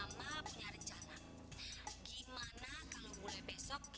macam mana pun terserah